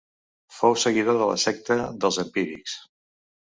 Fou seguidor de la secta dels empírics.